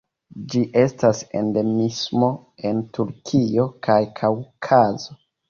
Ĝi estas endemismo en Turkio kaj Kaŭkazo.